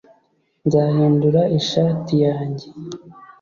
nzahindura ishati yanjye